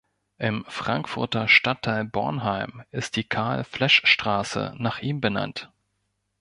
Im Frankfurter Stadtteil Bornheim ist die Karl-Flesch-Straße nach ihm benannt.